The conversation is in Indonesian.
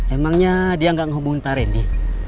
emangnya dia gak ngehubungin pak rendy